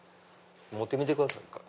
持ってみてください。